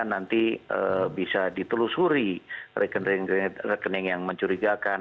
nanti bisa ditelusuri rekening rekening yang mencurigakan